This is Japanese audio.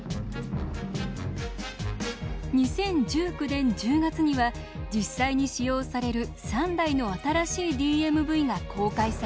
２０１９年１０月には実際に使用される３台の新しいＤＭＶが公開されました。